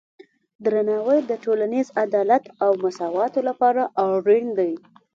درناوی د ټولنیز عدالت او مساواتو لپاره اړین دی.